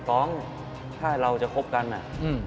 สองถ้าเราจะคบกันอ่ะ